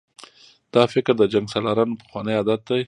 دا فکر د جنګسالارانو پخوانی عادت دی.